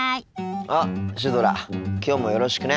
あっシュドラきょうもよろしくね。